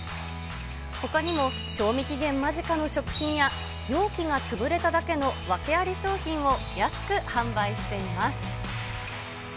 ほかにも、賞味期限間近の食品や、容器が潰れただけの訳あり商品を安く販売しています。